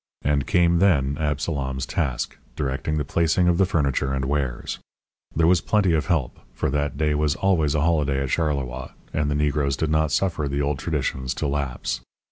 And came then Absalom's task, directing the placing of the furniture and wares. There was plenty of help, for that day was always a holiday at Charleroi, and the Negroes did not suffer the old traditions to lapse.